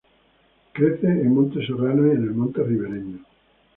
Crece en monte serrano y en el monte ribereño.